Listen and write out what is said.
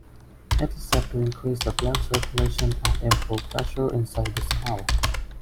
It is said to increase the blood circulation and improve pressure inside the skull.